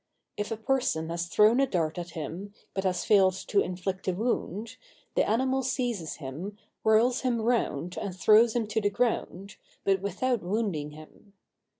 If a person has thrown a dart at him, but has failed to inflict a wound, the animal seizes him, whirls him round and throws him to the ground, but without wounding him.